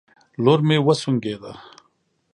لور مې وسونګېده